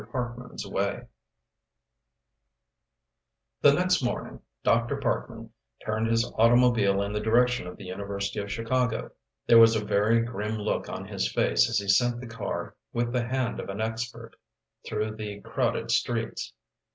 PARKMAN'S WAY The next morning Dr. Parkman turned his automobile in the direction of the University of Chicago. There was a very grim look on his face as he sent the car, with the hand of an expert, through the crowded streets.